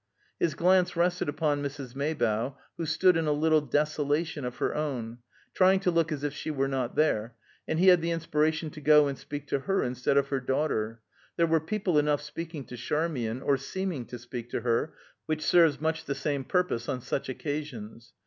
His glance rested upon Mrs. Maybough, who stood in a little desolation of her own, trying to look as if she were not there, and he had the inspiration to go and speak to her instead of her daughter; there were people enough speaking to Charmian, or seeming to speak to her, which serves much the same purpose on such occasions.